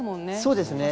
そうですね。